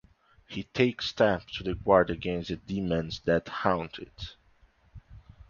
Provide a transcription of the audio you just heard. He takes steps to guard against the demons that haunt it.